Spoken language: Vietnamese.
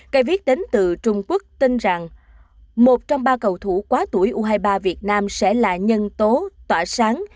cây viết đến từ trung quốc tin rằng một trong ba cầu thủ quá tuổi u hai mươi ba việt nam sẽ là nhân tố tỏa sáng